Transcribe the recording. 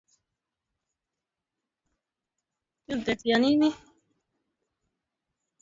mahakama ya nchi hizo ilifafanua aina ya uharibifu